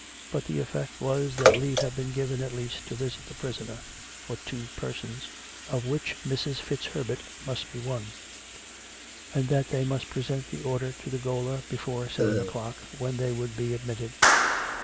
But the effect was that leave had been given at last to visit the prisoner — for two persons, of which Mrs. FitzHerbert must be one; and that they must present the order to the gaoler before seven o'clock, when they would be admitted.